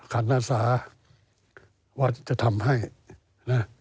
วันนี้ก็อย่าง